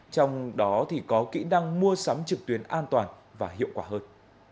trong đó thì có kỹ năng mua sắm trực tuyến an toàn và hiệu quả hơn